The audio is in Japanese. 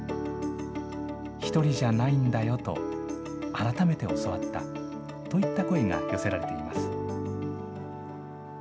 １人じゃないんだよと改めて教わったといった声が寄せられています。